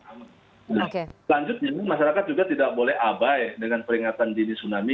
selanjutnya masyarakat juga tidak boleh abai dengan peringatan dini tsunami